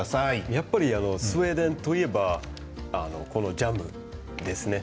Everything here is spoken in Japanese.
やっぱりスウェーデンといえば、このジャムですね。